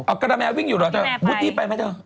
เอ้ากรมแมววิ่งอยู่หรอเจ้าพี่แมววิ่งไปไหมเจ้า